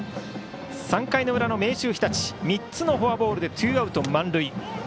３回の裏の明秀日立３つのフォアボールでツーアウト満塁。